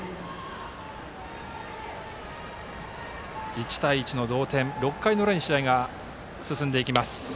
１対１の同点６回の裏へ試合が進んでいきます。